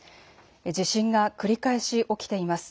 地震が繰り返し起きています。